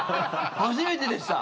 初めてでした。